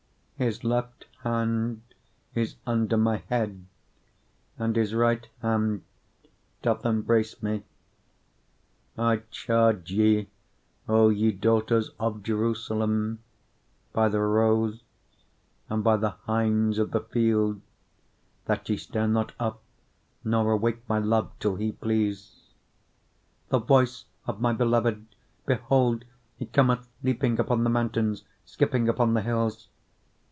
2:6 His left hand is under my head, and his right hand doth embrace me. 2:7 I charge you, O ye daughters of Jerusalem, by the roes, and by the hinds of the field, that ye stir not up, nor awake my love, till he please. 2:8 The voice of my beloved! behold, he cometh leaping upon the mountains, skipping upon the hills.